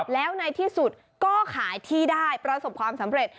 แล้วในที่สุดก็ขายที่ได้ประสบความสำเร็จ